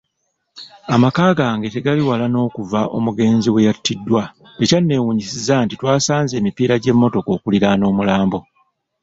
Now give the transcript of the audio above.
Amaka gange tegali wala n'okuva omugenzi we yattiddwa, tekyannewunyisizza nti twasanze emipiira gy'emmotoka okuliraana omulambo.